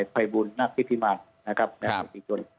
ไฟด์วุญนี้มานะครับครับ